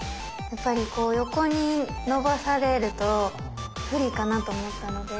やっぱりこう横にのばされると不利かなと思ったので。